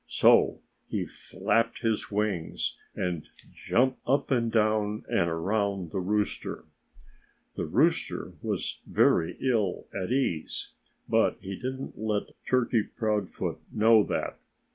So he flapped his wings and jumped up and down and around the rooster. The rooster was very ill at ease. But he didn't let Turkey Proudfoot know that.